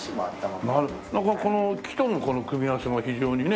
なんかこの木とのこの組み合わせも非常にね。